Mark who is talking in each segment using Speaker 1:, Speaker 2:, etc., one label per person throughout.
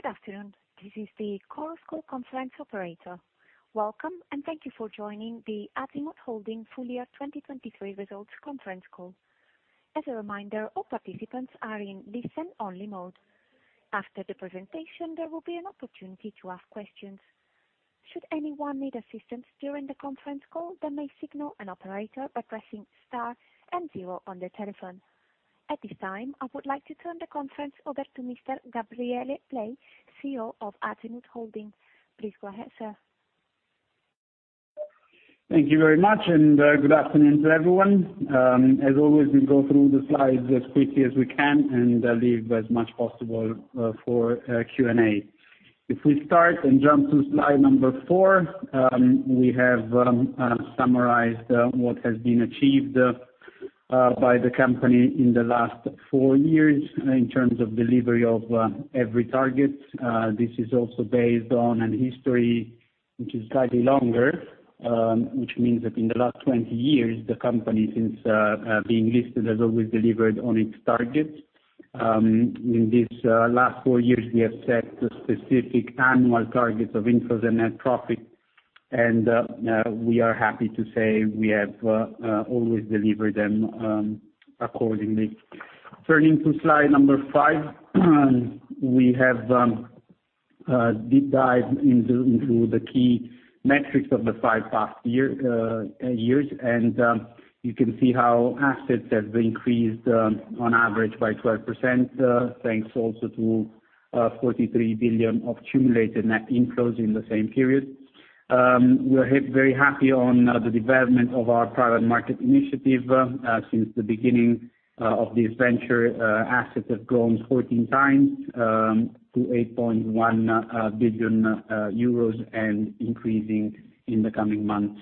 Speaker 1: Good afternoon. This is the Chorus Call Conference Operator. Welcome, and thank you for joining the Azimut Holding Full Year 2023 Results Conference Call. As a reminder, all participants are in listen-only mode. After the presentation, there will be an opportunity to ask questions. Should anyone need assistance during the conference call, they may signal an operator by pressing star and zero on their telephone. At this time, I would like to turn the conference over to Mr. Gabriele Blei, CEO of Azimut Holding. Please go ahead, sir.
Speaker 2: Thank you very much, and good afternoon to everyone. As always, we'll go through the slides as quickly as we can, and leave as much possible for Q&A. If we start and jump to slide number 4, we have summarized what has been achieved by the company in the last four years in terms of delivery of every target. This is also based on a history which is slightly longer, which means that in the last 20 years, the company, since being listed, has always delivered on its targets. In this last four years, we have set specific annual targets of inflows and net profit, and we are happy to say we have always delivered them accordingly. Turning to slide number 5, we have a deep dive into the key metrics of the past five years, and you can see how assets have increased on average by 12%, thanks also to 43 billion of cumulative net inflows in the same period. We are very happy with the development of our private market initiative. Since the beginning of this venture, assets have grown fourteen times to 80.1 billion euros and increasing in the coming months.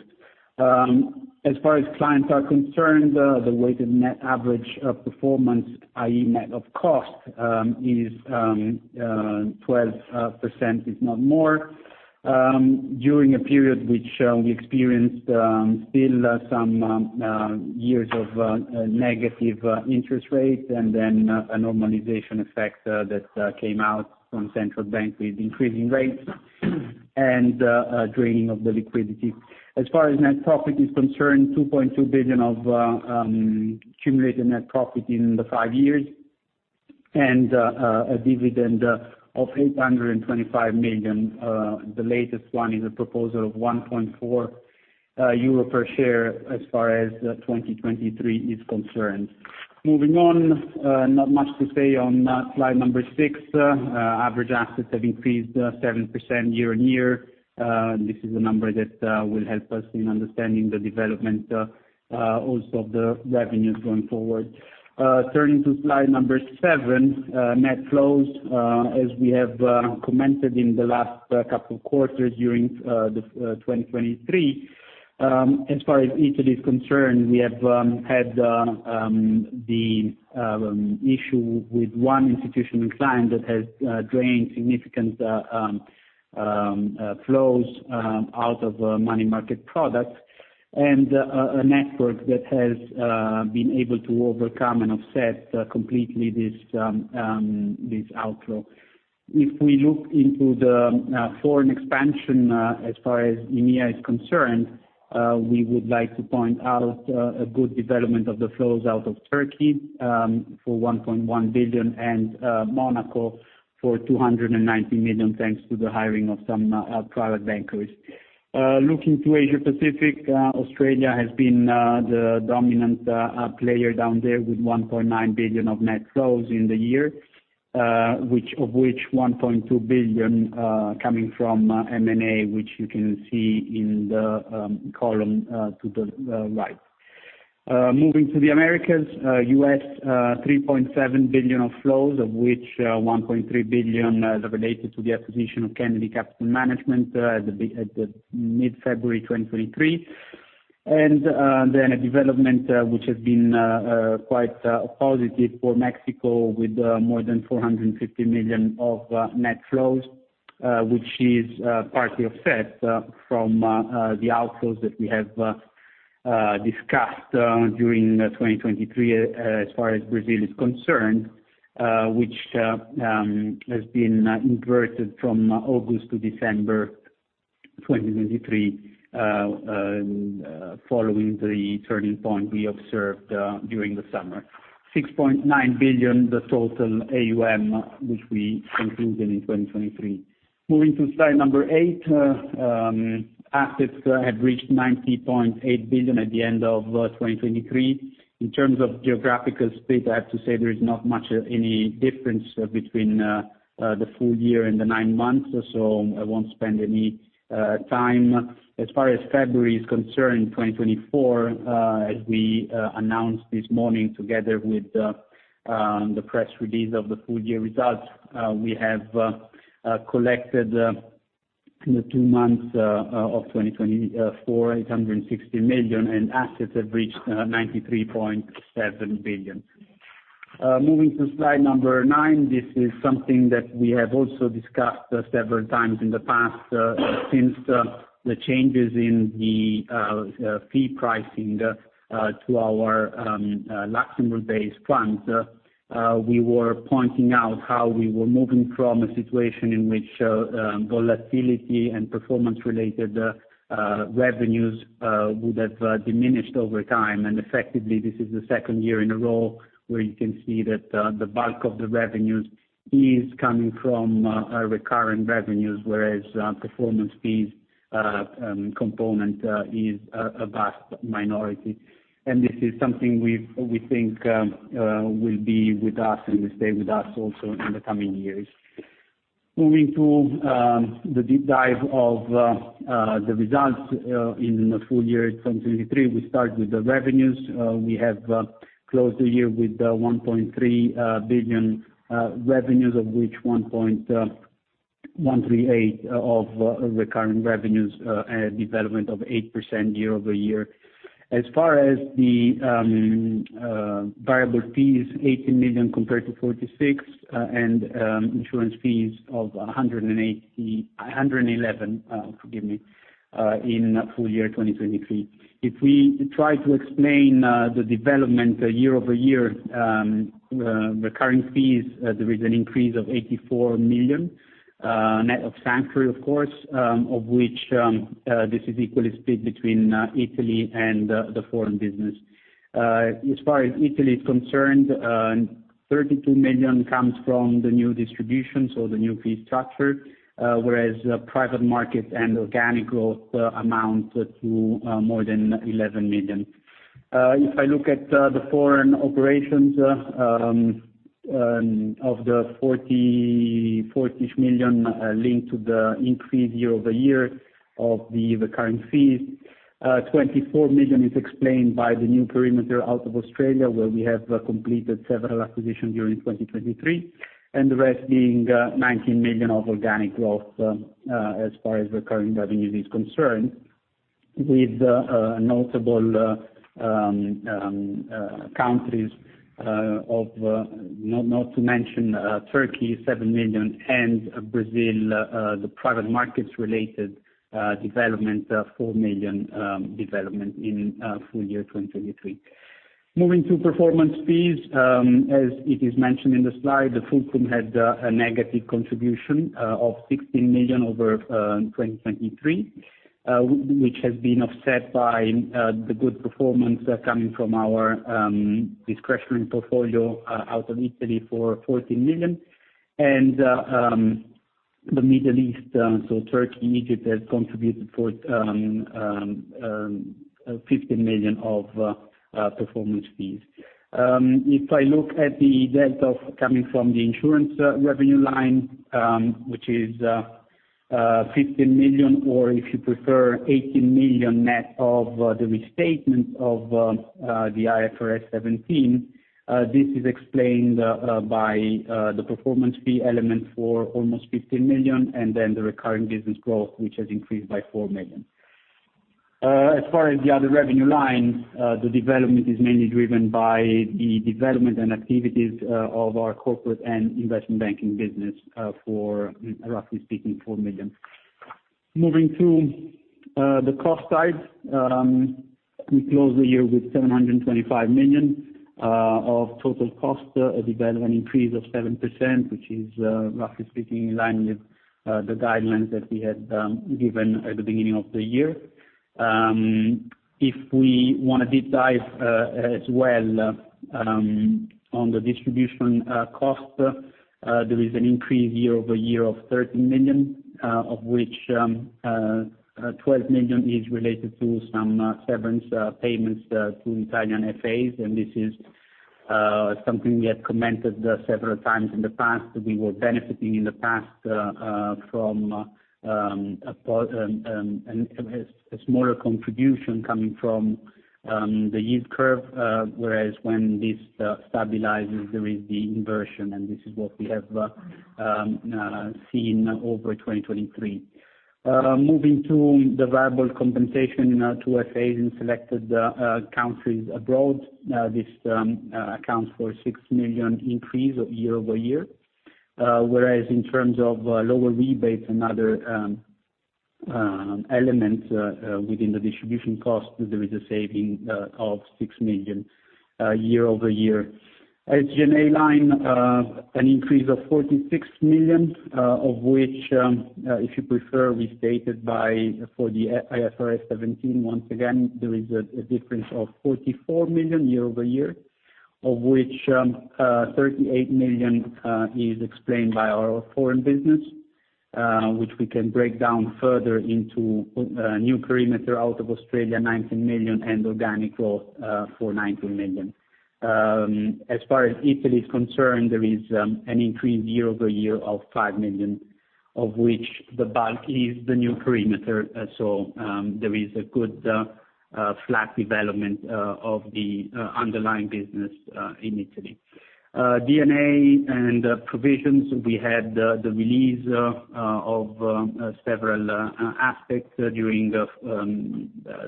Speaker 2: As far as clients are concerned, the weighted net average of performance, i.e., net of cost, is 12%, if not more. During a period which we experienced, still some years of negative interest rate and then a normalization effect that came out from central bank with increasing rates and draining of the liquidity. As far as net profit is concerned, 2.2 billion of cumulative net profit in the five years, and a dividend of 825 million, the latest one is a proposal of 1.4 euro per share as far as 2023 is concerned. Moving on, not much to say on slide number 6. Average assets have increased 7% year-over-year. This is a number that will help us in understanding the development also of the revenues going forward. Turning to slide number 7, net flows. As we have commented in the last couple quarters during the 2023, as far as Italy is concerned, we have had the issue with one institutional client that has drained significant flows out of money market products, and a network that has been able to overcome and offset completely this this outflow. If we look into the foreign expansion, as far as EMEA is concerned, we would like to point out a good development of the flows out of Turkey for 1.1 billion, and Monaco for 290 million, thanks to the hiring of some private bankers. Looking to Asia Pacific, Australia has been the dominant player down there with 1.9 billion of net flows in the year, of which 1.2 billion coming from M&A, which you can see in the column to the right. Moving to the Americas, U.S., 3.7 billion of flows, of which 1.3 billion are related to the acquisition of Kennedy Capital Management at the mid-February 2023. Then a development which has been quite positive for Mexico, with more than 450 million of net flows, which is partly offset from the outflows that we have discussed during 2023 as far as Brazil is concerned, which has been inverted from August to December 2023, following the turning point we observed during the summer. 6.9 billion, the total AUM, which we concluded in 2023. Moving to slide number 8, assets have reached 90.8 billion at the end of 2023. In terms of geographical split, I have to say there is not much any difference between the full year and the nine months, so I won't spend any time. As far as February is concerned, 2024, as we announced this morning together with the press release of the full year results, we have collected in the two months of 2024, 860 million, and assets have reached 93.7 billion. Moving to slide number nine, this is something that we have also discussed several times in the past, since the changes in the fee pricing to our Luxembourg-based funds. We were pointing out how we were moving from a situation in which volatility and performance-related revenues would have diminished over time. And effectively, this is the second year in a row where you can see that the bulk of the revenues is coming from recurring revenues, whereas performance fees component is a vast minority. And this is something we think will be with us and will stay with us also in the coming years. Moving to the deep dive of the results in the full year 2023, we start with the revenues. We have closed the year with 1.38 billion revenues, of which 1.3 billion of recurring revenues, a development of 8% year-over-year. As far as the variable fees, 18 million compared to 46 million, and insurance fees of 180 - 111, forgive me, in full year 2023. If we try to explain the development year-over-year, recurring fees, there is an increase of 84 million, net of Sanctuary, of course, of which this is equally split between Italy and the foreign business. As far as Italy is concerned, 32 million comes from the new distribution, so the new fee structure, whereas private market and organic growth amount to more than 11 million. If I look at the foreign operations of the 40, 40-ish million linked to the increase year-over-year of the recurring fees, 24 million is explained by the new perimeter out of Australia, where we have completed several acquisitions during 2023, and the rest being 19 million of organic growth as far as recurring revenue is concerned. With notable countries, not to mention Turkey, 7 million, and Brazil, the private markets related development, 4 million, development in full year 2023. Moving to performance fees, as it is mentioned in the slide, the Fulcrum had a negative contribution of 16 million over 2023, which has been offset by the good performance coming from our discretionary portfolio out of Italy for 14 million. The Middle East, so Turkey, Egypt, has contributed for 15 million of performance fees. If I look at the delta coming from the insurance revenue line, which is 15 million, or if you prefer, 18 million net of the restatement of the IFRS 17, this is explained by the performance fee element for almost 15 million, and then the recurring business growth, which has increased by 4 million. As far as the other revenue lines, the development is mainly driven by the development and activities of our corporate and investment banking business, for, roughly speaking, 4 million. Moving to the cost side, we closed the year with 725 million of total cost, a development increase of 7%, which is, roughly speaking, in line with the guidelines that we had given at the beginning of the year. If we want to deep dive as well on the distribution cost, there is an increase year-over-year of 13 million, of which 12 million is related to some severance payments to Italian FAs. This is something we have commented several times in the past, that we were benefiting in the past from a smaller contribution coming from the yield curve, whereas when this stabilizes, there is the inversion, and this is what we have seen over 2023. Moving to the variable compensation to FAs in selected countries abroad, this accounts for a 6 million increase year-over-year. Whereas in terms of lower rebates and other elements within the distribution cost, there is a saving of 6 million year-over-year. G&A line, an increase of 46 million, of which, if you prefer, we stated by, for the IFRS 17, once again, there is a difference of 44 million year-over-year, of which, 38 million, is explained by our foreign business, which we can break down further into, new perimeter out of Australia, 19 million, and organic growth, for 19 million. As far as Italy is concerned, there is, an increase year-over-year of 5 million, of which the bulk is the new perimeter. So, there is a good, flat development, of the, underlying business, in Italy. D&A and provisions, we had, the release, of, several, aspects during the,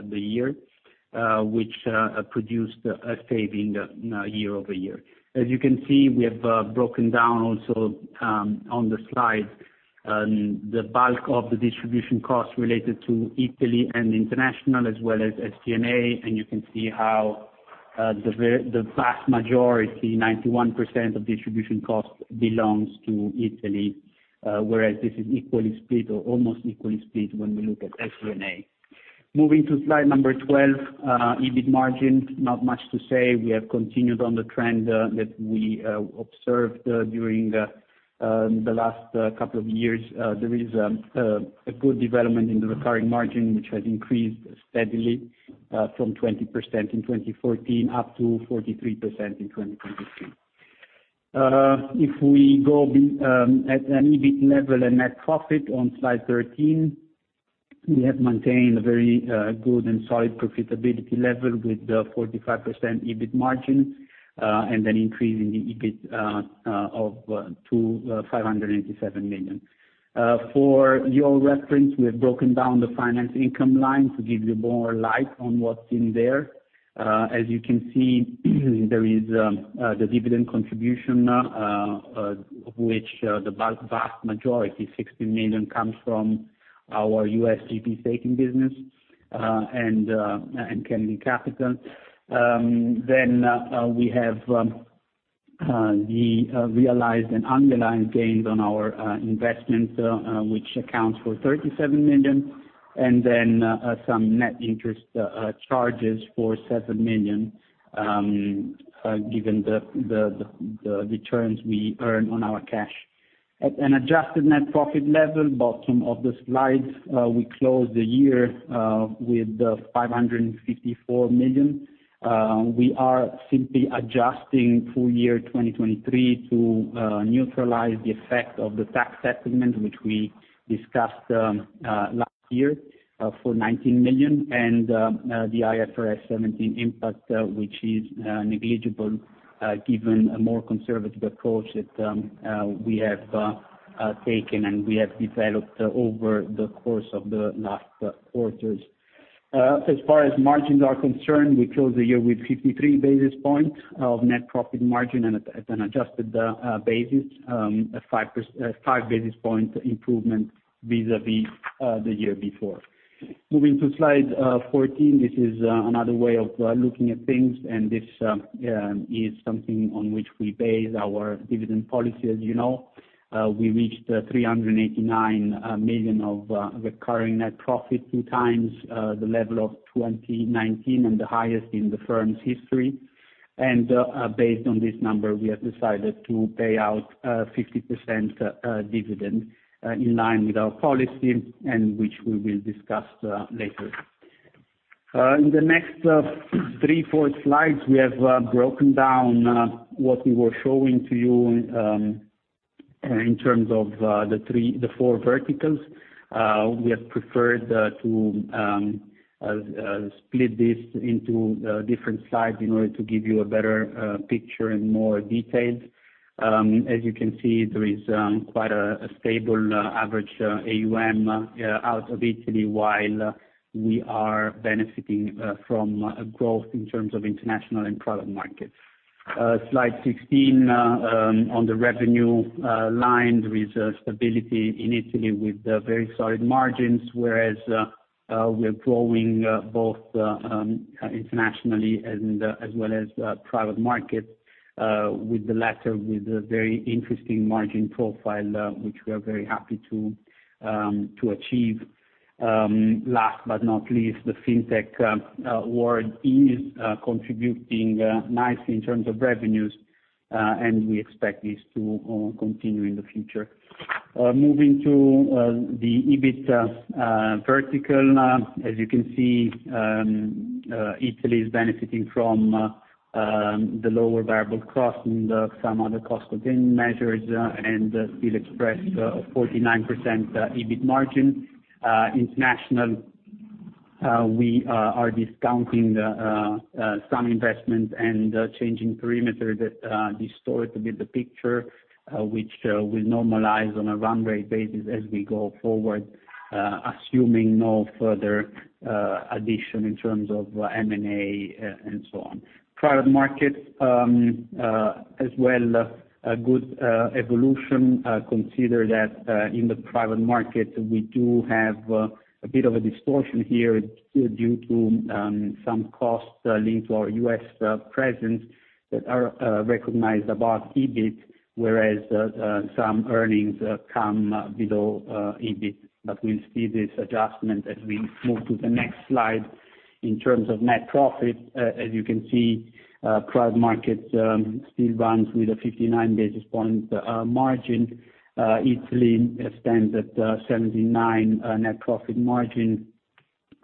Speaker 2: the year, which, produced a saving, year-over-year. As you can see, we have broken down also on the slide the bulk of the distribution costs related to Italy and international, as well as SG&A, and you can see how the vast majority, 91% of distribution costs belongs to Italy, whereas this is equally split or almost equally split when we look at SG&A. Moving to slide number 12, EBIT margin, not much to say. We have continued on the trend that we observed during the last couple of years. There is a good development in the recurring margin, which has increased steadily from 20% in 2014 up to 43% in 2023. If we go at an EBIT level and net profit on slide 13, we have maintained a very good and solid profitability level with 45% EBIT margin and an increase in the EBIT of five hundred and eighty-seven million. For your reference, we have broken down the finance income line to give you more light on what's in there. As you can see, there is the dividend contribution, which the bulk, vast majority, 60 million, comes from our US GP Staking business and Kennedy Capital. Then, we have the realized and underlying gains on our investment, which accounts for 37 million, and then, some net interest charges for 7 million, given the returns we earned on our cash. At an adjusted net profit level, bottom of the slide, we closed the year with 554 million. We are simply adjusting full year 2023 to neutralize the effect of the tax settlement, which we discussed last year, for 19 million, and the IFRS 17 impact, which is negligible, given a more conservative approach that we have taken, and we have developed over the course of the last quarters. As far as margins are concerned, we closed the year with 53 basis points of net profit margin, and at an adjusted basis, a five percent- five basis points improvement vis-a-vis the year before. Moving to slide 14, this is another way of looking at things, and this is something on which we base our dividend policy, as you know. We reached 389 million of recurring net profit, two times the level of 2019, and the highest in the firm's history, and based on this number, we have decided to pay out 50% dividend in line with our policy, and which we will discuss later. In the next 3, 4 slides, we have broken down what we were showing to you in terms of the three -- the four verticals. We have preferred to split this into different slides in order to give you a better picture and more details. As you can see, there is quite a stable average AUM out of Italy, while we are benefiting from growth in terms of international and Private Markets. Slide 16 on the revenue line, there is a stability in Italy with very solid margins, whereas we're growing both internationally and as well as private markets with the latter with a very interesting margin profile which we are very happy to achieve. Last but not least, the FinTech world is contributing nicely in terms of revenues, and we expect this to continue in the future. Moving to the EBIT vertical. As you can see, Italy is benefiting from the lower variable costs and some other cost-containing measures, and still expressed a 49% EBIT margin. International, we are discounting the some investments and changing perimeter that distorted a bit the picture, which will normalize on a run rate basis as we go forward, assuming no further addition in terms of M&A, and so on. Private Markets, as well, a good evolution, consider that, in the Private Markets, we do have a bit of a distortion here, due to some costs linked to our U.S. presence that are recognized above EBIT, whereas some earnings come below EBIT. But we'll see this adjustment as we move to the next slide. In terms of net profit, as you can see, Private Markets still runs with a 59 basis point margin. Italy stands at 79 net profit margin,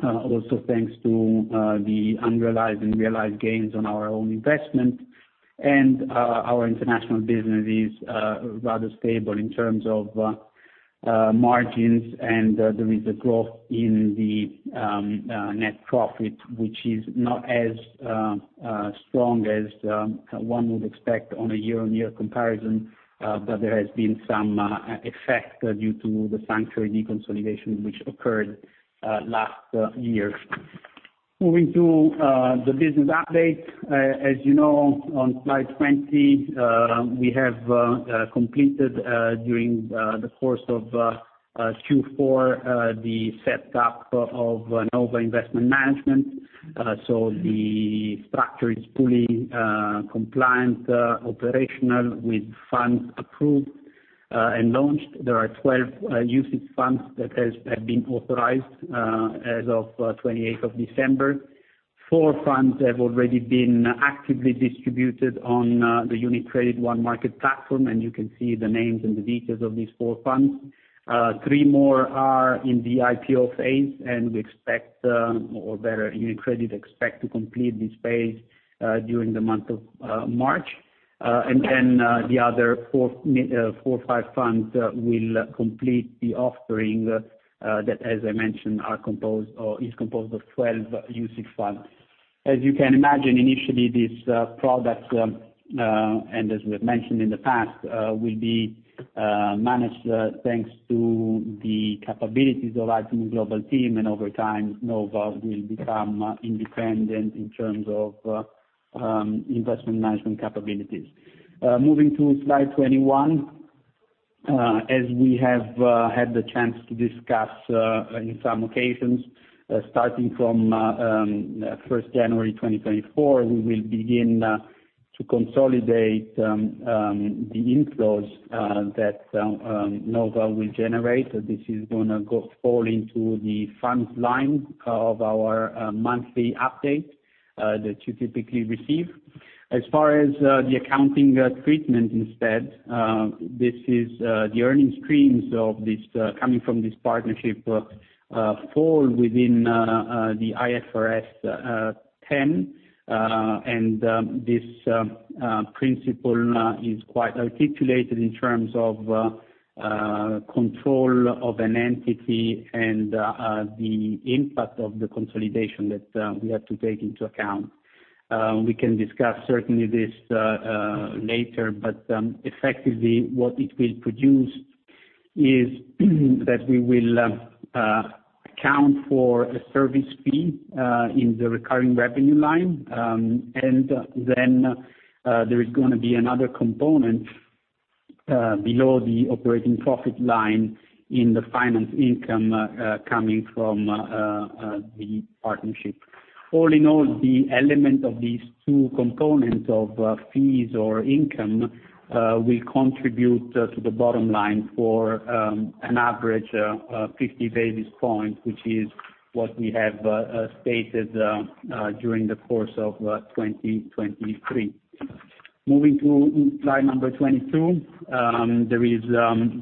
Speaker 2: also thanks to the unrealized and realized gains on our own investment, and our international business is rather stable in terms of margins, and there is a growth in the net profit, which is not as strong as one would expect on a year-on-year comparison, but there has been some effect due to the Sanctuary deconsolidation which occurred last year. Moving to the business update. As you know, on slide 20, we have completed during the course of Q4 the set up of Nova Investment Management. So the structure is fully compliant, operational with funds approved and launched. There are 12 UCITS funds that have been authorized as of 28th of December. Four funds have already been actively distributed on the UniCredit onemarket platform, and you can see the names and the details of these four funds. Three more are in the IPO phase, and we expect, or better, UniCredit expect to complete this phase during the month of March. And then the other four or five funds will complete the offering that, as I mentioned, are composed or is composed of 12 UCITS funds. As you can imagine, initially, these products, and as we've mentioned in the past, will be managed thanks to the capabilities of our global team, and over time, Nova will become independent in terms of investment management capabilities. Moving to slide 21. As we have had the chance to discuss in some occasions, starting from 1 January 2024, we will begin to consolidate the inflows that Nova will generate. This is gonna fall into the funds line of our monthly update that you typically receive. As far as the accounting treatment instead, this is the earnings streams of this coming from this partnership fall within the IFRS 10 and this principle is quite articulated in terms of control of an entity and the impact of the consolidation that we have to take into account. We can discuss certainly this later, but effectively, what it will produce is that we will account for a service fee in the recurring revenue line. And then there is gonna be another component below the operating profit line in the finance income coming from the partnership. All in all, the element of these two components of fees or income will contribute to the bottom line for an average 50 basis points, which is what we have stated during the course of 2023. Moving to slide number 22. There is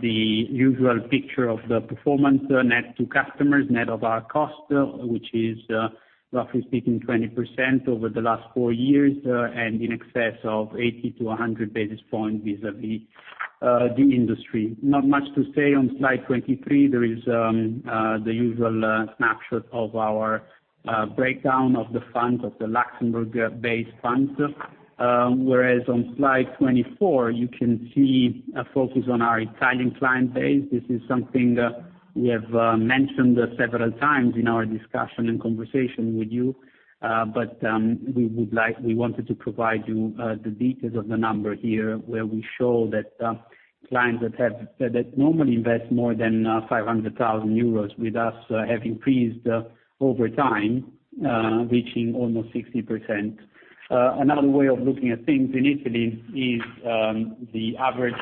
Speaker 2: the usual picture of the performance net to customers, net of our cost, which is roughly speaking, 20% over the last four years, and in excess of 80-100 basis points vis-à-vis the industry. Not much to say on slide 23. There is the usual snapshot of our breakdown of the funds, of the Luxembourg-based funds. Whereas on slide 24, you can see a focus on our Italian client base. This is something we have mentioned several times in our discussion and conversation with you. But we would like- we wanted to provide you the details of the number here, where we show that clients that have that normally invest more than 500,000 euros with us have increased over time reaching almost 60%. Another way of looking at things in Italy is the average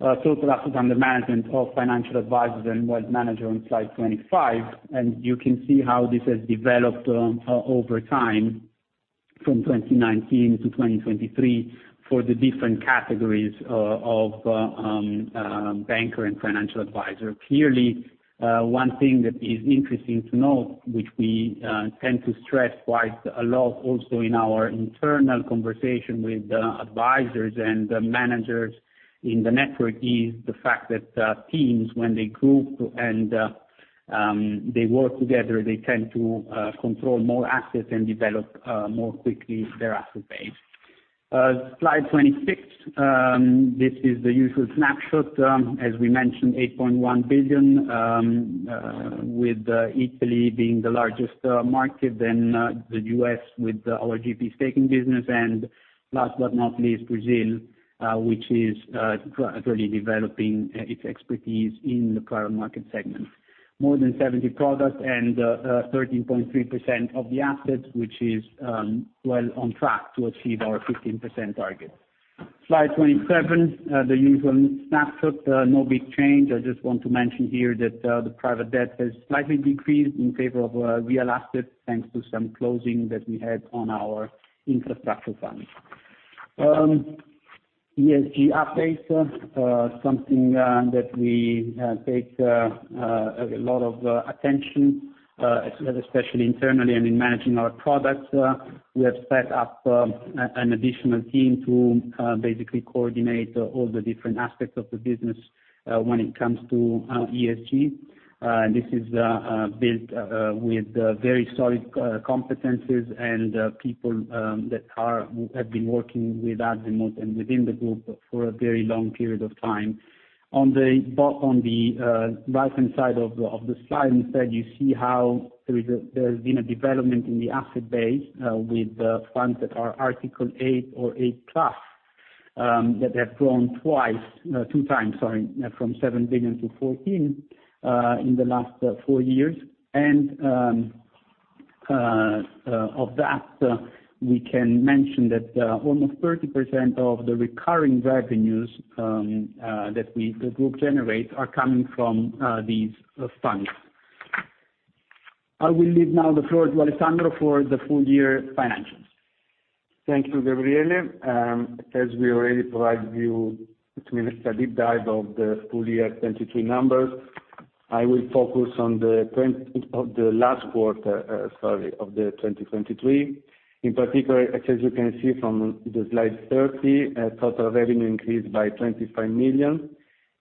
Speaker 2: total assets under management of financial advisors and wealth manager on slide 25, and you can see how this has developed over time from 2019 to 2023 for the different categories of banker and financial advisor. Clearly, one thing that is interesting to note, which we tend to stress quite a lot also in our internal conversation with the advisors and the managers in the network, is the fact that teams, when they group and they work together, they tend to control more assets and develop more quickly their asset base. Slide 26. This is the usual snapshot. As we mentioned, 8.1 billion with Italy being the largest market, then the U.S. with our GP Staking business, and last but not least, Brazil, which is really developing its expertise in the private market segment. More than 70 products and 13.3% of the assets, which is well on track to achieve our 15% target. Slide 27, the usual snapshot, no big change. I just want to mention here that the private debt has slightly decreased in favor of real assets, thanks to some closing that we had on our infrastructure fund. ESG update, something that we take a lot of attention, especially internally and in managing our products. We have set up an additional team to basically coordinate all the different aspects of the business when it comes to ESG. This is built with very solid competencies and people that have been working with Azimut and within the group for a very long period of time. On the right-hand side of the slide, instead, you see how there has been a development in the asset base with the funds that are Article 8 or 8+ that have grown two times, sorry, from 7 billion to 14 billion in the last four years. And of that, we can mention that almost 30% of the recurring revenues that we, the group, generates are coming from these funds. I will leave now the floor to Alessandro for the full year financials.
Speaker 3: Thank you, Gabriele. As we already provided you with a deep dive of the full year 2022 numbers, I will focus on the trend of the last quarter of the 2023. In particular, as you can see from the slide 30, total revenue increased by 25 million.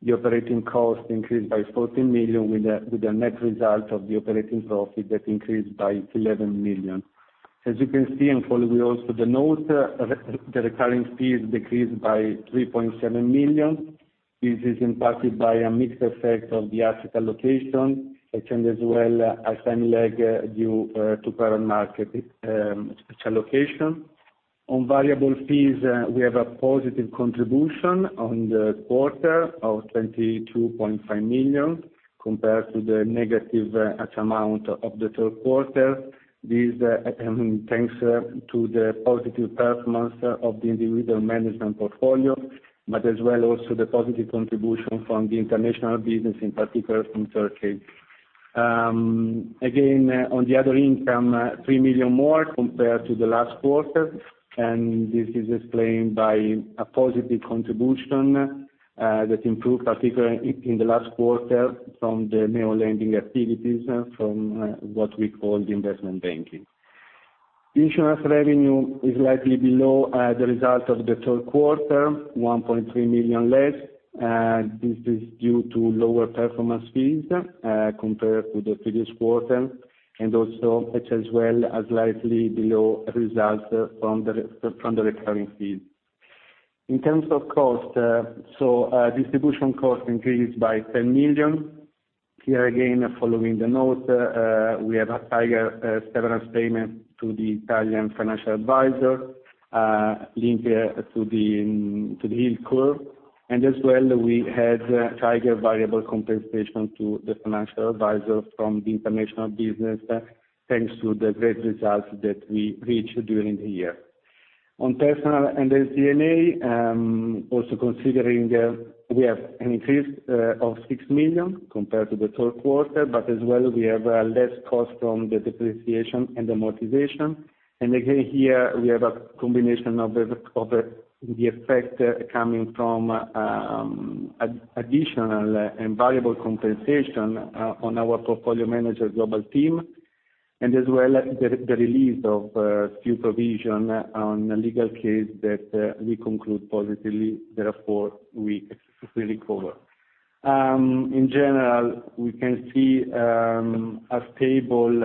Speaker 3: The operating cost increased by 14 million, with a net result of the operating profit that increased by 11 million. As you can see, and following also the note, the recurring fees decreased by 3.7 million. This is impacted by a mixed effect of the asset allocation and as well as time lag due to current market special allocation. On variable fees, we have a positive contribution on the quarter of 22.5 million compared to the negative amount of the third quarter. Thanks to the positive performance of the individual management portfolio, but as well, also the positive contribution from the international business, in particular from Turkey. Again, on the other income, 3 million more compared to the last quarter, and this is explained by a positive contribution that improved, particularly in the last quarter from the neo-lending activities, from what we call the investment banking. Insurance revenue is slightly below the result of the third quarter, 1.3 million less. This is due to lower performance fees compared to the previous quarter, and also as well as slightly below results from the recurring fees. In terms of cost, so distribution cost increased by 10 million. Here, again, following the note, we have a higher severance payment to the Italian financial advisor linked to the yield curve. And as well, we had higher variable compensation to the financial advisor from the international business, thanks to the great results that we reached during the year. On personnel and the D&A, also considering, we have an increase of 6 million compared to the third quarter, but as well, we have less cost from the depreciation and amortization. And again, here we have a combination of the effect coming from additional and variable compensation on our portfolio manager global team, and as well as the release of few provision on a legal case that we conclude positively, therefore we recover. In general, we can see a stable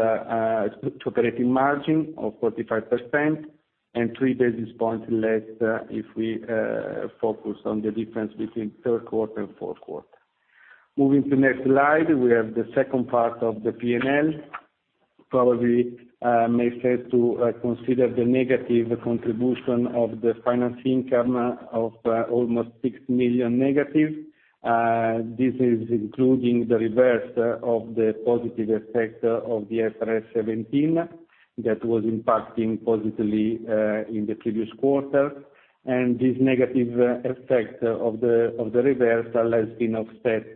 Speaker 3: operating margin of 45% and 3 basis points less if we focus on the difference between third quarter and fourth quarter. Moving to next slide, we have the second part of the P&L. Probably may fail to consider the negative contribution of the financing income of almost 6 million negative. This is including the reverse of the positive effect of the IFRS 17, that was impacting positively in the previous quarter. And this negative effect of the reversal has been offset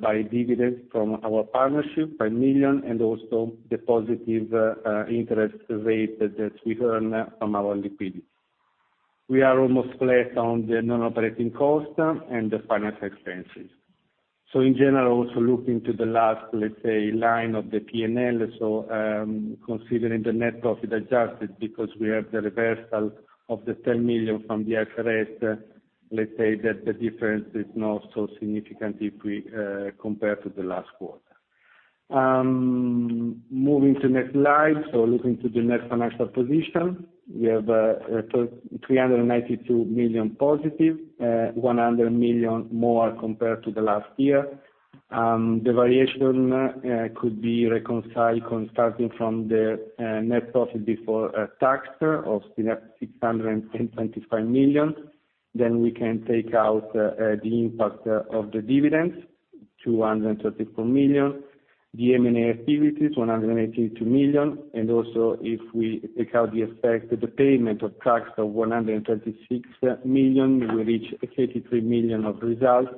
Speaker 3: by dividends from our partnership by million, and also the positive interest rate that we earn from our liquidity. We are almost flat on the non-operating cost and the finance expenses. So in general, also looking to the last, let's say, line of the P&L, so, considering the net profit adjusted, because we have the reversal of the 10 million from the IFRS, let's say that the difference is not so significant if we compare to the last quarter. Moving to next slide. So looking to the net financial position, we have three hundred and ninety-two million positive, one hundred million more compared to the last year. The variation could be reconciled starting from the net profit before tax of six hundred and twenty-five million. Then we can take out the impact of the dividends, 234 million, the M&A activities, 182 million, and also if we take out the effect, the payment of tax of 136 million, we reach 83 million of results.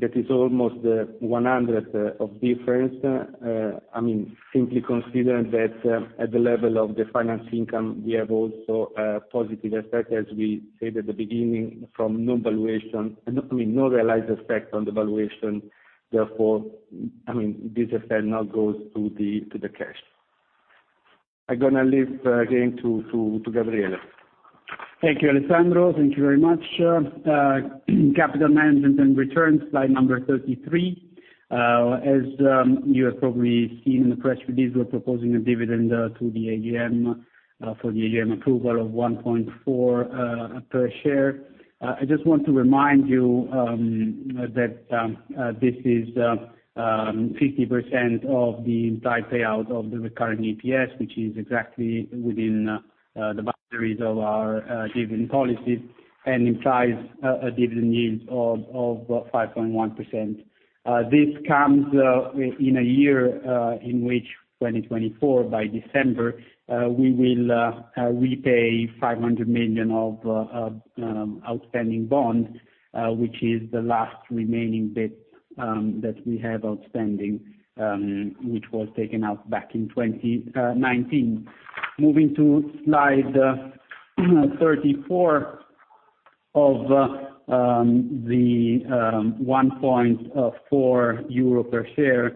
Speaker 3: That is almost one hundred of difference. I mean, simply consider that at the level of the finance income, we have also a positive effect, as we said at the beginning, from no valuation, I mean, no realized effect on the valuation. Therefore, I mean, this effect not goes to the, to the cash. I'm gonna leave again to, to, to Gabriele.
Speaker 2: Thank you, Alessandro. Thank you very much. Capital management and return, slide number 33. As you have probably seen in the press release, we're proposing a dividend to the AGM for the AGM approval of 1.4 per share. I just want to remind you that this is 50% of the entire payout of the recurring EPS, which is exactly within the boundaries of our dividend policy and implies a dividend yield of 5.1%. This comes in a year in which 2024, by December, we will repay 500 million of outstanding bonds, which is the last remaining bit that we have outstanding, which was taken out back in 2019. Moving to slide 34. of the 1.04 euro per share,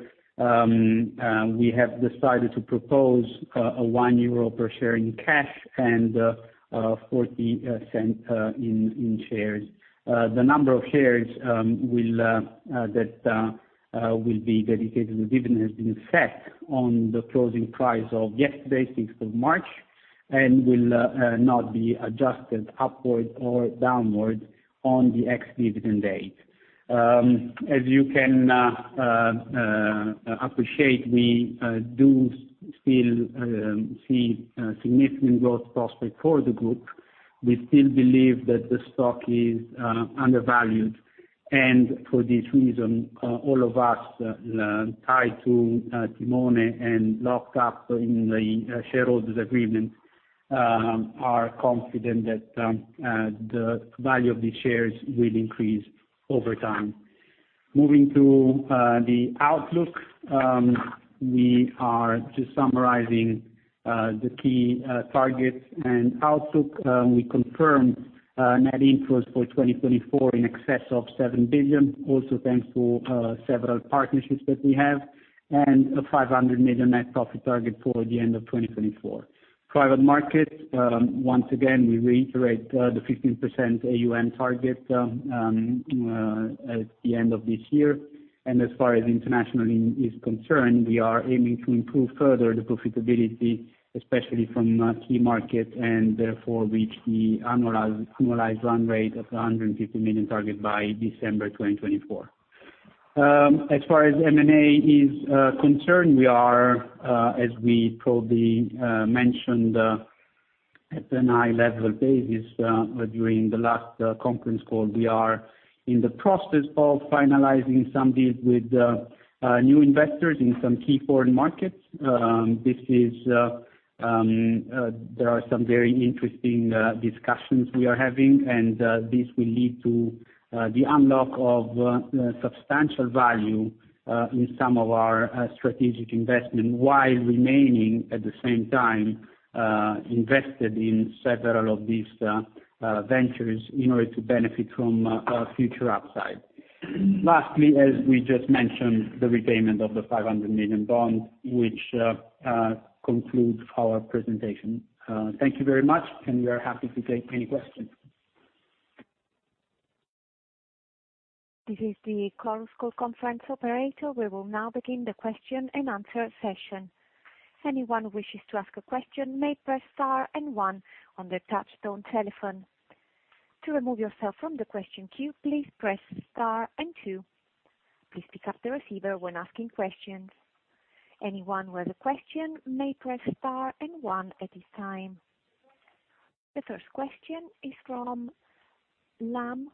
Speaker 2: we have decided to propose a 1 euro per share in cash and forty cents in shares. The number of shares that will be dedicated to the dividend has been set on the closing price of yesterday, sixth of March, and will not be adjusted upward or downward on the ex-dividend date. As you can appreciate, we do still see significant growth prospect for the group. We still believe that the stock is undervalued, and for this reason, all of us tied to Timone and locked up in the shareholders agreement are confident that the value of the shares will increase over time. Moving to the outlook, we are just summarizing the key targets and outlook. We confirm net inflows for 2024 in excess of 7 billion, also thanks to several partnerships that we have, and a 500 million net profit target for the end of 2024. Private markets, once again, we reiterate the 15% AUM target at the end of this year. And as far as internationally is concerned, we are aiming to improve further the profitability, especially from key markets, and therefore reach the annualized run rate of 150 million target by December 2024. As far as M&A is concerned, we are, as we probably mentioned, at a high level basis, during the last conference call, we are in the process of finalizing some deals with new investors in some key foreign markets. This is, there are some very interesting discussions we are having, and this will lead to the unlock of substantial value in some of our strategic investment, while remaining, at the same time, invested in several of these ventures in order to benefit from a future upside. Lastly, as we just mentioned, the repayment of the 500 million bond, which concludes our presentation. Thank you very much, and we are happy to take any questions.
Speaker 1: This is the conference call operator. We will now begin the question and answer session. Anyone who wishes to ask a question may press star and one on their touchtone telephone. To remove yourself from the question queue, please press star and two. Please pick up the receiver when asking questions. Anyone with a question may press star and one at this time. The first question is from Hubert Lam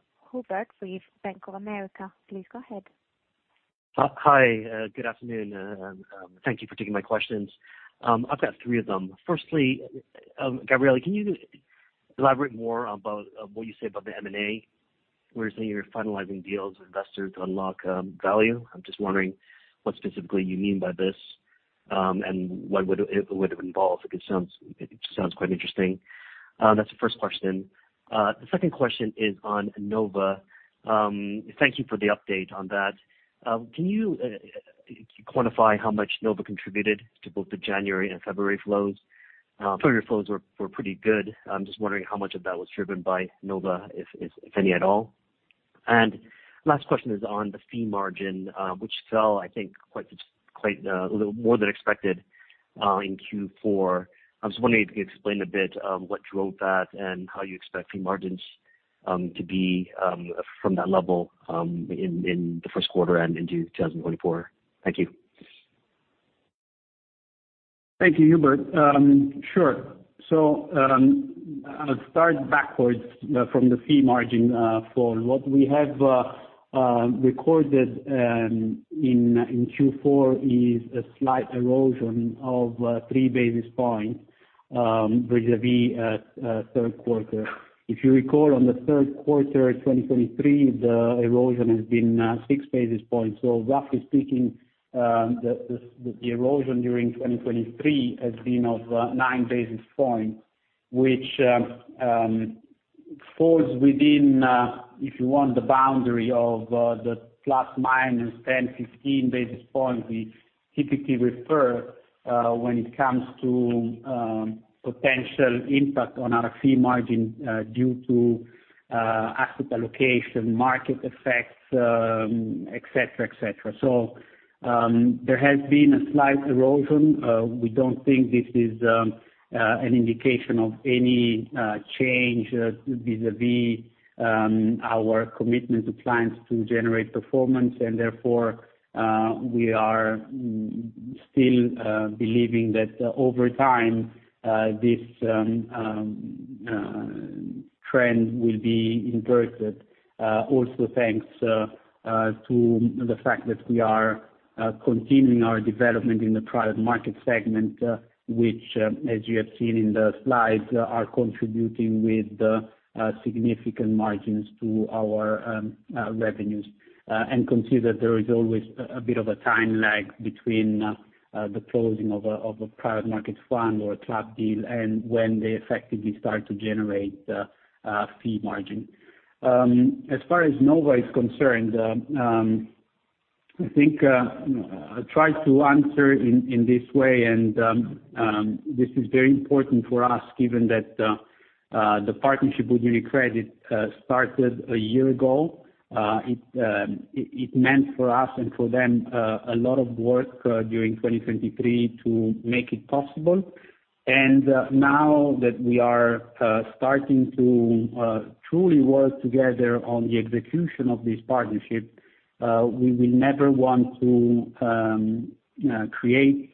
Speaker 1: with Bank of America. Please go ahead.
Speaker 4: Hi. Good afternoon. Thank you for taking my questions. I've got three of them. Firstly, Gabriele, can you elaborate more about what you said about the M&A, where you say you're finalizing deals with investors to unlock value? I'm just wondering what specifically you mean by this, and what would it involve? It sounds quite interesting. That's the first question. The second question is on Nova. Thank you for the update on that. Can you quantify how much Nova contributed to both the January and February flows? February flows were pretty good. I'm just wondering how much of that was driven by Nova, if any, at all. Last question is on the fee margin, which fell, I think, quite a little more than expected in Q4. I was wondering if you could explain a bit what drove that and how you expect fee margins to be from that level in the first quarter and into 2024. Thank you.
Speaker 2: Thank you, Hubert. Sure. So, I'll start backwards from the fee margin, for what we have recorded in Q4, is a slight erosion of 3 basis points vis-à-vis third quarter. If you recall, on the third quarter 2023, the erosion has been 6 basis points. So roughly speaking, the erosion during 2023 has been of 9 basis points, which falls within, if you want, the boundary of the ±10-15 basis points we typically refer when it comes to potential impact on our fee margin due to asset allocation, market effects, et cetera, et cetera. So, there has been a slight erosion. We don't think this is an indication of any change vis-a-vis our commitment to clients to generate performance, and therefore, we are still believing that over time, this trend will be inverted, also thanks to the fact that we are continuing our development in the private market segment, which, as you have seen in the slides, are contributing with significant margins to our revenues. And consider there is always a bit of a time lag between the closing of a private markets fund or a club deal and when they effectively start to generate fee margin. As far as Nova is concerned... I think, I'll try to answer in this way, and this is very important for us, given that the partnership with UniCredit started a year ago. It meant for us and for them a lot of work during 2023 to make it possible. And now that we are starting to truly work together on the execution of this partnership, we will never want to create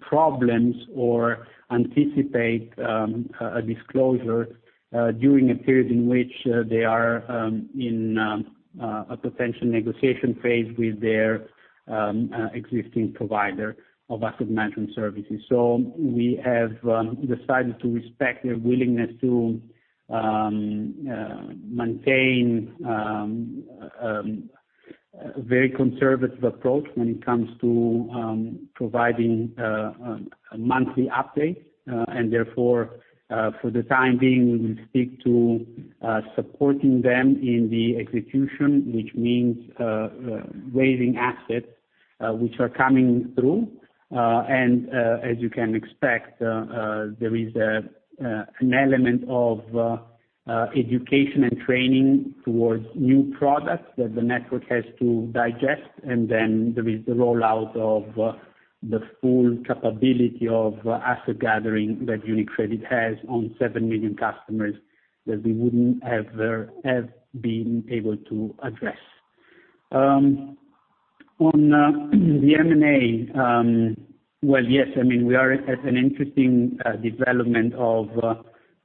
Speaker 2: problems or anticipate a disclosure during a period in which they are in a potential negotiation phase with their existing provider of asset management services. So we have decided to respect their willingness to maintain a very conservative approach when it comes to providing a monthly update. And therefore, for the time being, we will stick to supporting them in the execution, which means waiving assets which are coming through. And as you can expect, there is an element of education and training towards new products that the network has to digest, and then there is the rollout of the full capability of asset gathering that UniCredit has on 7 million customers that we wouldn't have been able to address. On the M&A, well, yes, I mean, we are at an interesting development of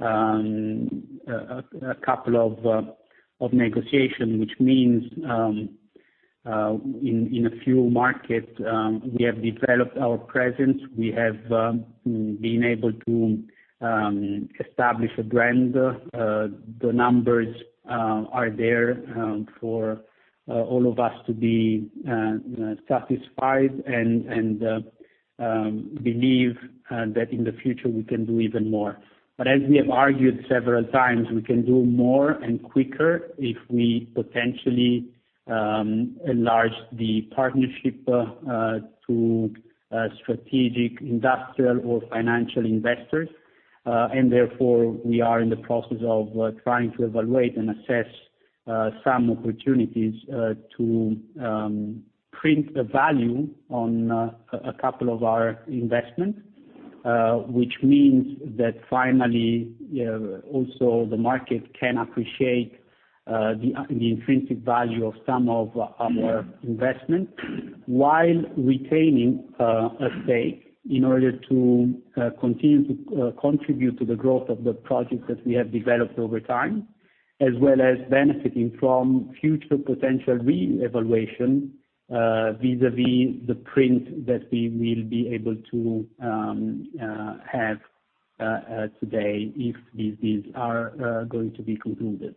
Speaker 2: a couple of negotiations, which means in a few markets we have developed our presence. We have been able to establish a brand. The numbers are there for all of us to be satisfied, and believe that in the future we can do even more. But as we have argued several times, we can do more and quicker if we potentially enlarge the partnership to strategic, industrial or financial investors. And therefore, we are in the process of trying to evaluate and assess some opportunities to print the value on a couple of our investments. which means that finally, also the market can appreciate the intrinsic value of some of our investments, while retaining a stake in order to continue to contribute to the growth of the project that we have developed over time, as well as benefiting from future potential reevaluation vis-à-vis the print that we will be able to have today, if these deals are going to be concluded.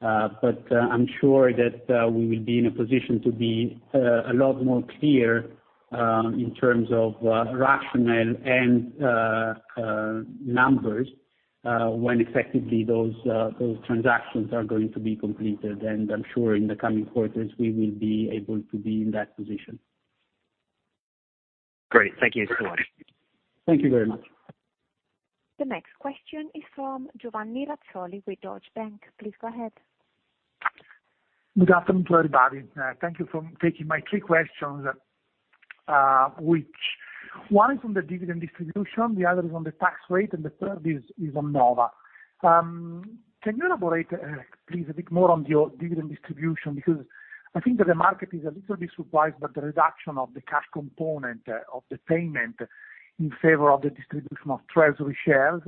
Speaker 2: But I'm sure that we will be in a position to be a lot more clear in terms of rationale and numbers when effectively those transactions are going to be completed. And I'm sure in the coming quarters, we will be able to be in that position.
Speaker 4: Great. Thank you so much.
Speaker 2: Thank you very much.
Speaker 1: The next question is from Giovanni Razzoli with Deutsche Bank. Please go ahead.
Speaker 5: Good afternoon to everybody. Thank you for taking my three questions, which one is on the dividend distribution, the other is on the tax rate, and the third is on Nova. Can you elaborate, please, a bit more on your dividend distribution? Because I think that the market is a little bit surprised that the reduction of the cash component of the payment in favor of the distribution of treasury shares.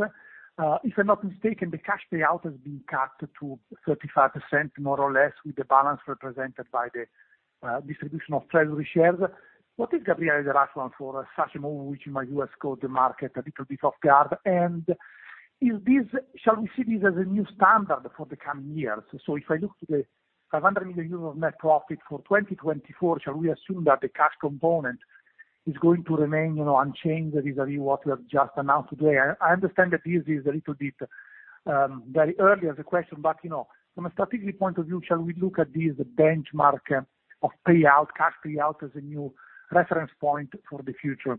Speaker 5: If I'm not mistaken, the cash payout has been cut to 35%, more or less, with the balance represented by the distribution of treasury shares. What is the rationale for such a move, which might have caught the market a little bit off guard? And is this, shall we see this as a new standard for the coming years? So if I look to the 500 million euros net profit for 2024, shall we assume that the cash component is going to remain, you know, unchanged vis-a-vis what you have just announced today? I understand that this is a little bit very early as a question, but, you know, from a strategic point of view, shall we look at this benchmark of payout, cash payout, as a new reference point for the future?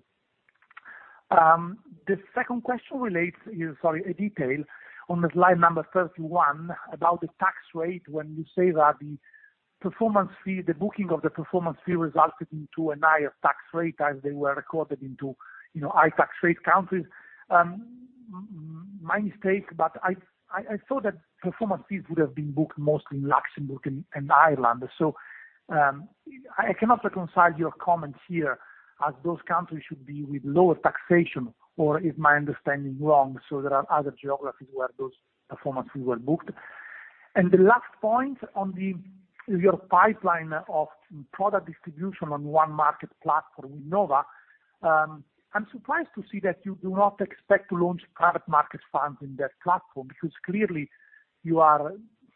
Speaker 5: The second question relates to, sorry, a detail on the slide number 31, about the tax rate, when you say that the performance fee, the booking of the performance fee resulted into a higher tax rate as they were recorded into, you know, high tax rate countries. My mistake, but I thought that performance fees would have been booked mostly in Luxembourg and Ireland. I cannot reconcile your comments here, as those countries should be with lower taxation, or is my understanding wrong, so there are other geographies where those performance fees were booked? The last point on your pipeline of product distribution on onemarket platform with Nova. I'm surprised to see that you do not expect to launch private market funds in that platform, because clearly you are,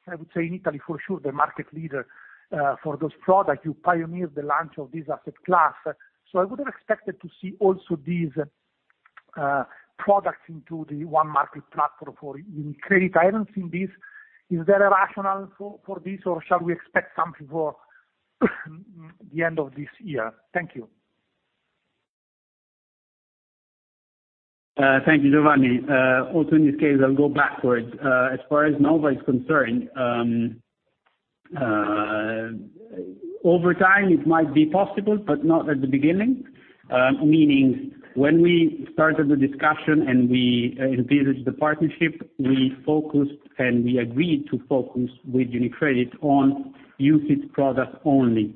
Speaker 5: I would say, in Italy, for sure, the market leader for those products. You pioneered the launch of this asset class, so I would have expected to see also these products into the onemarket platform for UniCredit. I haven't seen this. Is there a rationale for this, or shall we expect something for the end of this year? Thank you.
Speaker 2: Thank you, Giovanni. Also in this case, I'll go backwards. As far as Nova is concerned, over time, it might be possible, but not at the beginning. Meaning when we started the discussion and we entered the partnership, we focused, and we agreed to focus with UniCredit on UCITS product only.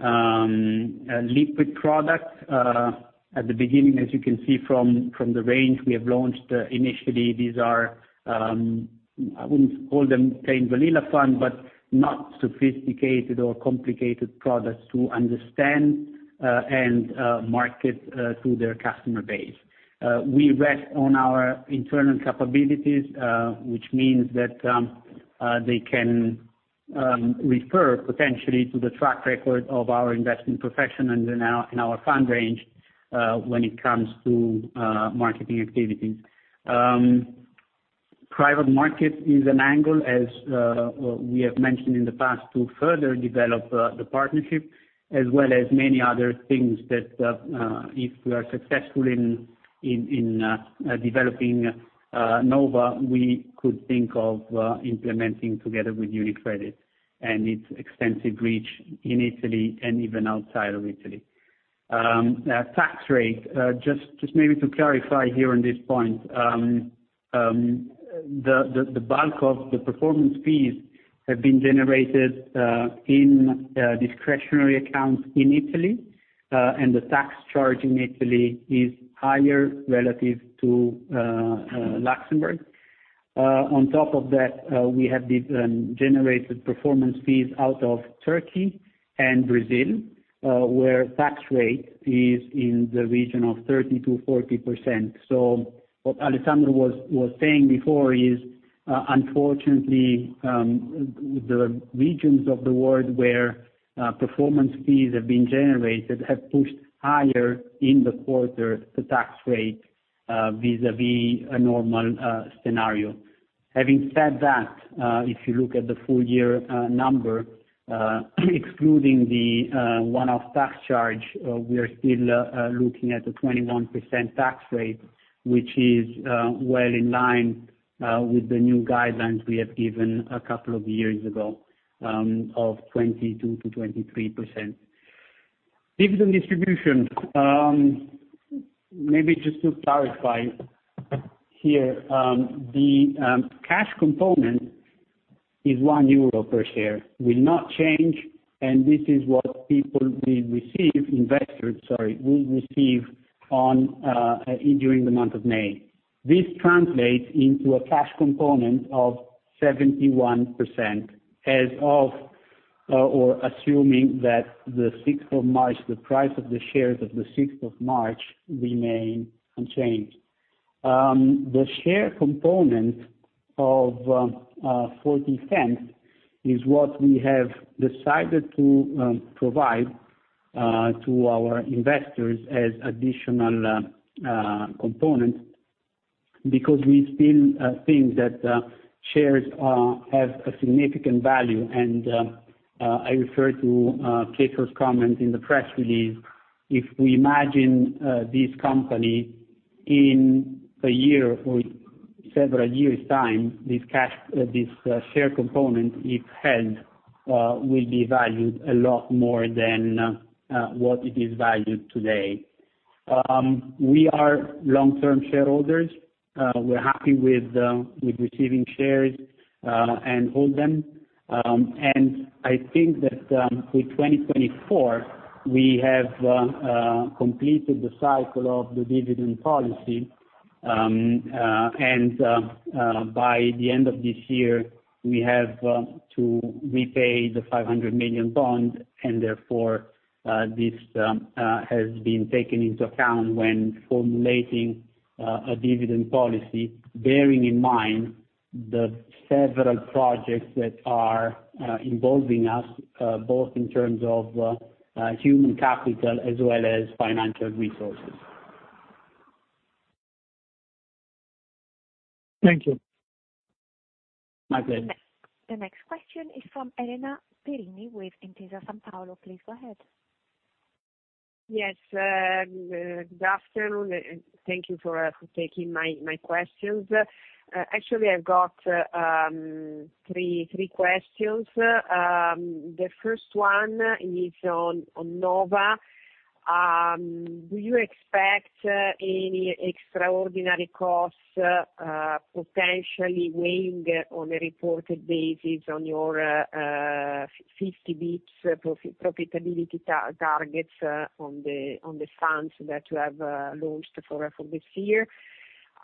Speaker 2: A liquid product, at the beginning, as you can see from the range we have launched, initially, these are, I wouldn't call them plain vanilla funds, but not sophisticated or complicated products to understand, and market to their customer base. We rely on our internal capabilities, which means that they can refer potentially to the track record of our investment professionals in our fund range, when it comes to marketing activities. Private market is an angle as we have mentioned in the past to further develop the partnership, as well as many other things that if we are successful in developing Nova, we could think of implementing together with UniCredit and its extensive reach in Italy and even outside of Italy. Tax rate, just maybe to clarify here on this point, the bulk of the performance fees have been generated in discretionary accounts in Italy, and the tax charge in Italy is higher relative to Luxembourg. On top of that, we have the generated performance fees out of Turkey and Brazil, where tax rate is in the region of 30%-40%. So what Alessandro was saying before is, unfortunately, the regions of the world where performance fees have been generated have pushed higher in the quarter, the tax rate, vis-à-vis a normal scenario. Having said that, if you look at the full year number, excluding the one-off tax charge, we are still looking at a 21% tax rate, which is well in line with the new guidelines we have given a couple of years ago, of 22%-23%. Dividend distribution. Maybe just to clarify here, the cash component is 1 euro per share, will not change, and this is what people will receive, investors, sorry, will receive on during the month of May. This translates into a cash component of 71% as of or assuming that the sixth of March, the price of the shares of the sixth of March remain unchanged. The share component of 0.40 is what we have decided to provide to our investors as additional components because we still think that shares have a significant value. I refer to Pietro's comment in the press release. If we imagine this company in a year or several years' time, this cash, this share component, if held, will be valued a lot more than what it is valued today. We are long-term shareholders. We're happy with receiving shares and hold them. I think that, with 2024, we have completed the cycle of the dividend policy. By the end of this year, we have to repay the 500 million bond, and therefore, this has been taken into account when formulating a dividend policy, bearing in mind the several projects that are involving us, both in terms of human capital as well as financial resources.
Speaker 5: Thank you.
Speaker 2: My pleasure.
Speaker 1: The next question is from Elena Perini with Intesa Sanpaolo. Please go ahead.
Speaker 6: Yes, good afternoon, and thank you for taking my questions. Actually, I've got three questions. The first one is on Nova. Do you expect any extraordinary costs potentially weighing on a reported basis on your 50 basis points profitability targets on the funds that you have launched for this year?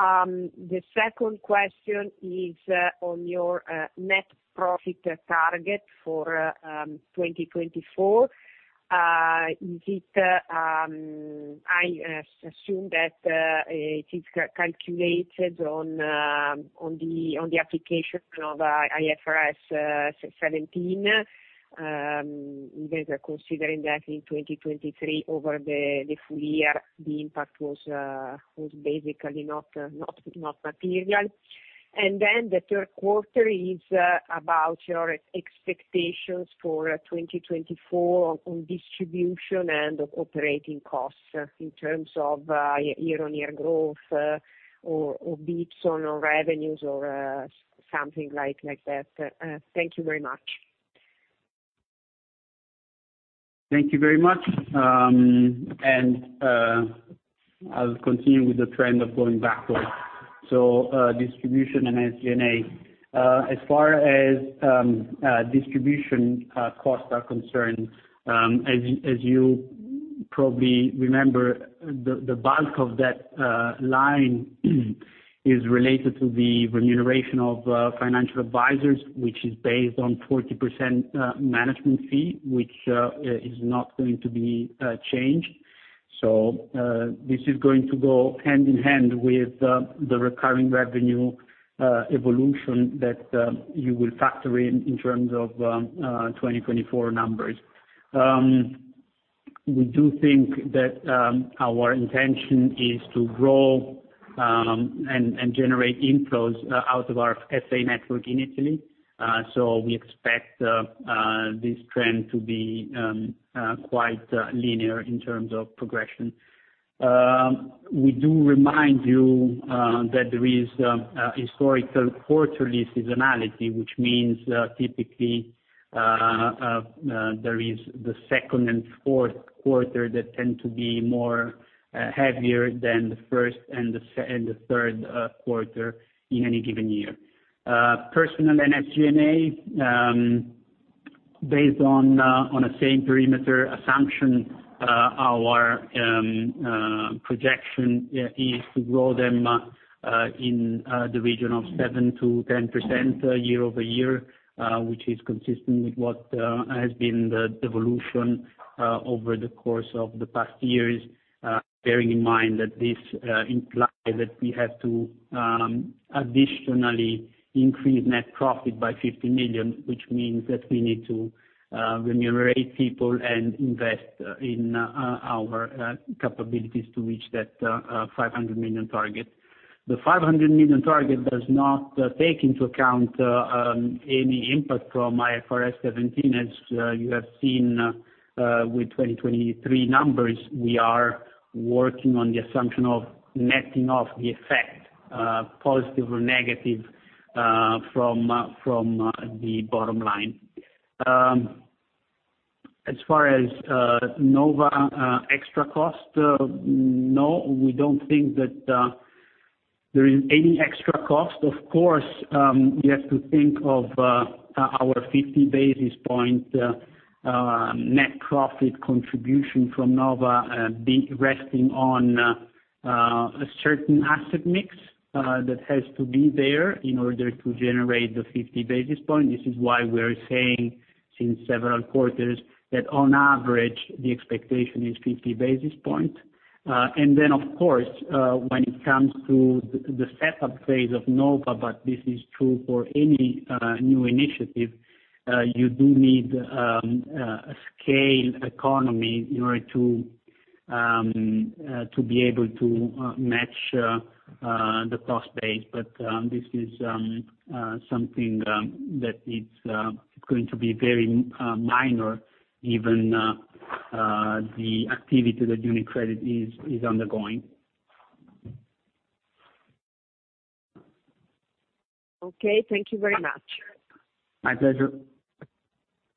Speaker 6: The second question is on your net profit target for 2024. Is it, I assume that it is calculated on the application of IFRS 17, even considering that in 2023, over the full year, the impact was basically not material.... And then the third quarter is about your expectations for 2024 on distribution and operating costs in terms of year-on-year growth or bits on revenues or something like that. Thank you very much.
Speaker 2: Thank you very much. I'll continue with the trend of going backwards. So, distribution and SG&A. As far as distribution costs are concerned, as you probably remember, the bulk of that line is related to the remuneration of financial advisors, which is based on 40% management fee, which is not going to be changed. So, this is going to go hand-in-hand with the recurring revenue evolution that you will factor in, in terms of 2024 numbers. We do think that our intention is to grow and generate inflows out of our FA network in Italy. So we expect this trend to be quite linear in terms of progression. We do remind you that there is historical quarterly seasonality, which means, typically, there is the second and fourth quarter that tend to be more heavier than the first and the second and the third quarter in any given year. Personal and SG&A, based on a same perimeter assumption, our projection is to grow them in the region of 7%-10% year-over-year, which is consistent with what has been the evolution over the course of the past years. Bearing in mind that this implies that we have to additionally increase net profit by 50 million, which means that we need to remunerate people and invest in our capabilities to reach that 500 million target. The 500 million target does not take into account any input from IFRS 17. As you have seen with 2023 numbers, we are working on the assumption of netting off the effect, positive or negative, from the bottom line. As far as Nova extra cost, no, we don't think that there is any extra cost. Of course, you have to think of our 50 basis point net profit contribution from Nova be resting on a certain asset mix that has to be there in order to generate the 50 basis point. This is why we are saying, since several quarters, that on average, the expectation is 50 basis points. And then of course, when it comes to the setup phase of Nova, but this is true for any new initiative, you do need a scale economy in order to to be able to match the cost base. But this is something that it's going to be very minor, even the activity that UniCredit is undergoing.
Speaker 6: Okay. Thank you very much.
Speaker 2: My pleasure.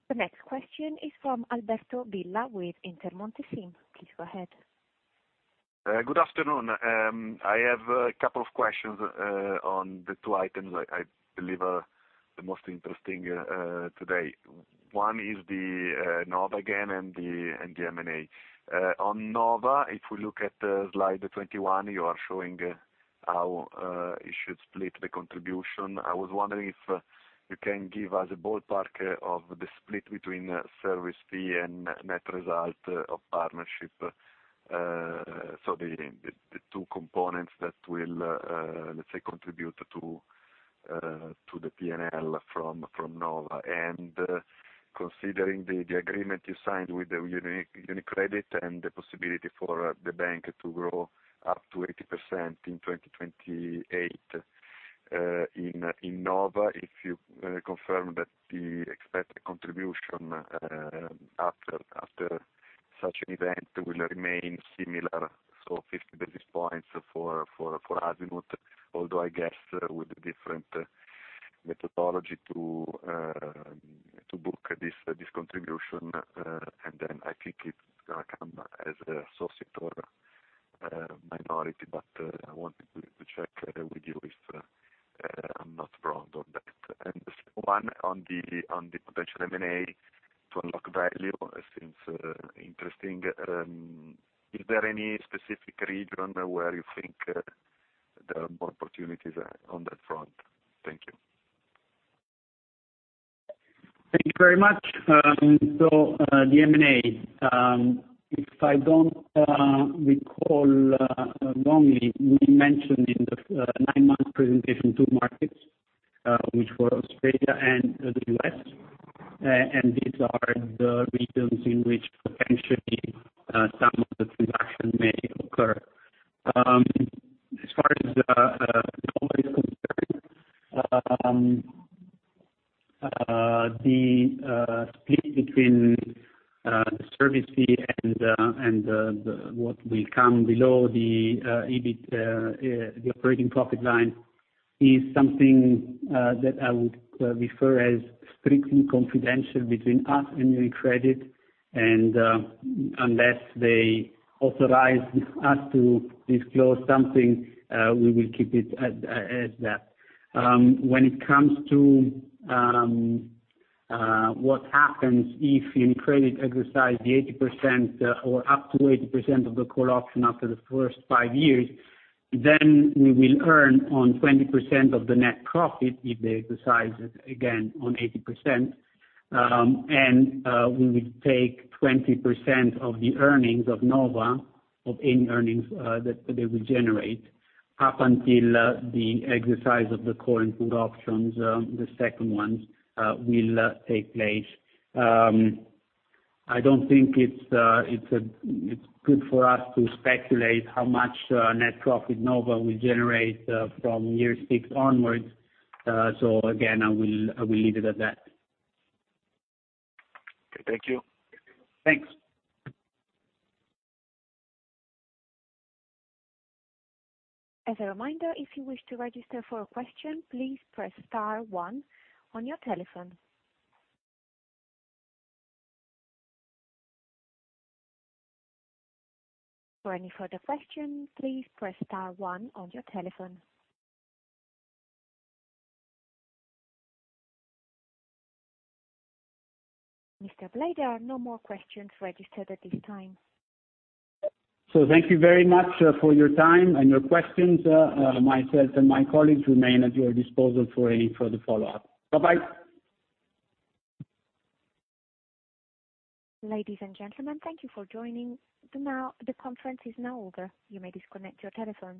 Speaker 1: The next question is from Alberto Villa with Intermonte SIM. Please go ahead.
Speaker 7: Good afternoon. I have a couple of questions on the two items I believe are the most interesting today. One is the Nova again, and the M&A. On Nova, if we look at slide 21, you are showing how you should split the contribution. I was wondering if you can give us a ballpark of the split between service fee and net result of partnership. So the two components that will, let's say, contribute to the PNL from Nova. Considering the agreement you signed with the UniCredit and the possibility for the bank to grow up to 80% in 2028 in Nova, if you confirm that the expected contribution after such an event will remain similar, so 50 basis points for Azimut, although I guess with the different methodology to book this contribution, and then I think it's gonna come as an associate or minority, but I wanted to check with you if I'm not wrong on that. And the second one on the potential M&A to unlock value seems interesting. Is there any specific region where you think there are more opportunities on that front? Thank you.
Speaker 2: Thank you very much. So, the M&A, if I don't recall wrongly, we mentioned in the nine-month presentation two markets which were Australia and the U.S. And these are the regions in which potentially some of the transaction may occur. As far as Nova is concerned, the split between the service fee and the what will come below the EBIT, the operating profit line, is something that I would refer as strictly confidential between us and UniCredit. Unless they authorize us to disclose something, we will keep it at that. When it comes to what happens if UniCredit exercise the 80%, or up to 80% of the call option after the first 5 years, then we will earn on 20% of the net profit if they exercise it, again, on 80%. And we will take 20% of the earnings of Nova, of any earnings that they will generate, up until the exercise of the call and put options, the second ones will take place. I don't think it's good for us to speculate how much net profit Nova will generate from year 6 onwards. So again, I will leave it at that.
Speaker 7: Okay, thank you.
Speaker 2: Thanks.
Speaker 1: As a reminder, if you wish to register for a question, please press star one on your telephone. For any further questions, please press star one on your telephone. Mr. Blei, there are no more questions registered at this time.
Speaker 2: Thank you very much for your time and your questions. Myself and my colleagues remain at your disposal for any further follow-up. Bye-bye.
Speaker 1: Ladies and gentlemen, thank you for joining. The conference is now over. You may disconnect your telephones.